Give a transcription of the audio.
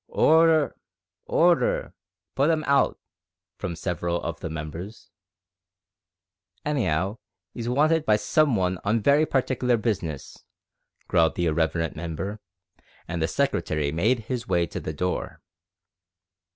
"Order, order! Put 'im out!" from several of the members. "Any'ow, 'e's wanted by some one on very partikler business," growled the irreverent member, and the secretary made his way to the door.